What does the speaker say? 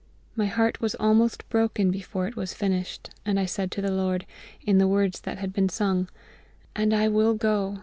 My heart was almost broken before it was finished, and I said to the LORD, in the words that had been sung "And I will go!